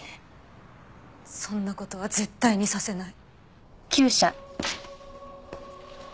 そんな事は絶対にさせない。